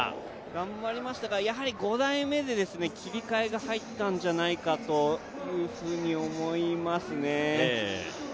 頑張りましたが、やはり５台目で切り替えが入ったんじゃないかなと思いますね。